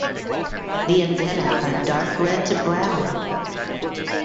The antennae are dark red to brown.